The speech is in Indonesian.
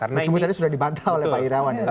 mas wiwi tadi sudah dibantau oleh pak iryawan